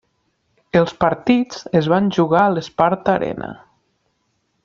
Els partits es van jugar a l'Sparta Arena.